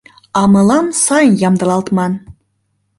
А мылам сайын ямдылалтман».